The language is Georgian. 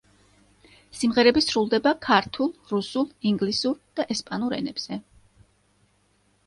სიმღერები სრულდება ქართულ, რუსულ, ინგლისურ და ესპანურ ენებზე.